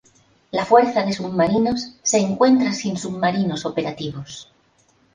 La Fuerza de Submarinos se encuentra sin submarinos operativos.